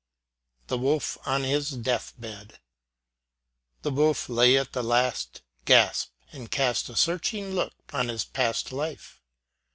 THE WOLF ON HIS DEATH BED. The wolf lay at the last gasp, and cast a searching look on his past life.